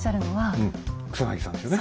うん草さんですよね。